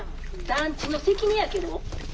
団地の関根やけど。